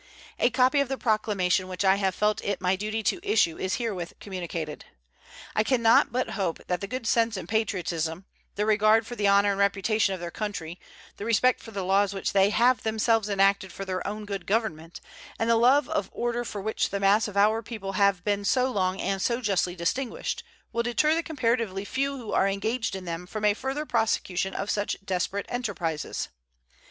A copy of the proclamation which I have felt it my duty to issue is herewith communicated. I can not but hope that the good sense and patriotism, the regard for the honor and reputation of their country, the respect for the laws which they have themselves enacted for their own government, and the love of order for which the mass of our people have been so long and so justly distinguished will deter the comparatively few who are engaged in them from a further prosecution of such desperate enterprises.